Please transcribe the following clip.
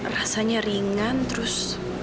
rasanya ringan terus